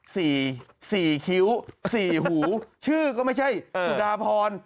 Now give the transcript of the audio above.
สี่สี่คิ้วสี่หูชื่อก็ไม่ใช่สุดาพร